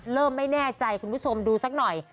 ไม่แน่ใจคุณผู้ชมดูสักหน่อย